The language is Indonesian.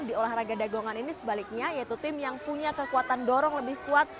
di olahraga dagongan ini sebaliknya yaitu tim yang punya kekuatan dorong lebih kuat